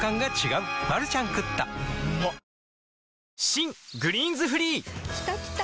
新「グリーンズフリー」きたきた！